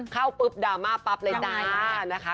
เข้าปุ๊บดราม่าปั๊บเลยจ้านะคะ